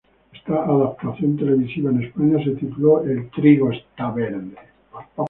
Esta adaptación televisiva en España se tituló "El trigo está verde".